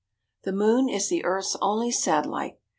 = The moon is the earth's only satellite.